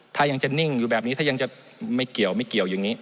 ถ้ายังจะนิ่งอยู่แบบนี้ถ้ายังจะไม่เกี่ยวไม่เกี่ยวอย่างนี้